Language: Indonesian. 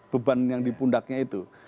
beban yang dipundaknya itu